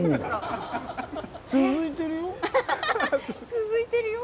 続いてるよ。